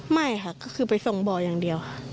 ไม่ค่ะก็คือไปส่งบ่อยังเดียว